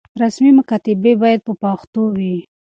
رسمي مکاتبې بايد په پښتو وي.